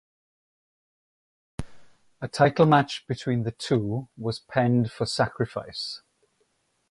A title match between the two was penned for Sacrifice.